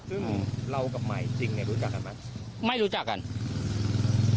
อืมซึ่งเรากับใหม่จริงไงรู้จักกันมั้ย